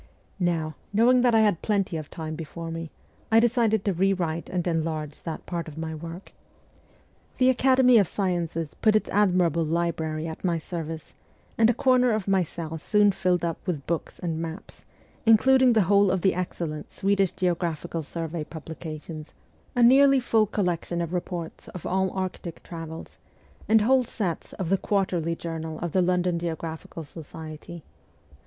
Now, knowing that I had plenty of time before me, I decided to rewrite and enlarge that part of my work. The Academy of Sciences put its admirable library at my service, and a corner of my cell soon filled up with books and maps, including the whole of the excellent Swedish Geological 160 MEMOIRS OF A REVOLUTIONIST Survey publications, a nearly full collection of reports of all Arctic travels, and whole sets of the Quarterly Journal of the London Geological Society.